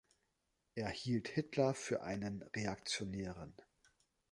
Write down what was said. Er hielt Hitler für einen Reaktionären.